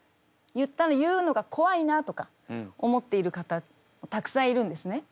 言うのが怖いなとか思っている方たくさんいるんですね。